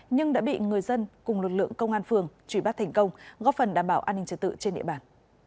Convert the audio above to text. nhưng đã bị người dân cùng lực lượng công an phường trùy bắt thành công góp phần đảm bảo an ninh trật tự trên địa bàn